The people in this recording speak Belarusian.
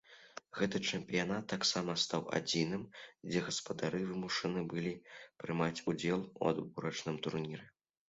Гэты чэмпіянат таксама стаў адзіным, дзе гаспадары вымушаны былі прымаць удзел у адборачным турніры.